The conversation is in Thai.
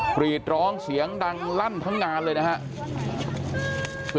กรีดร้องเสียงดังลั่นทั้งงานเลยนะครับ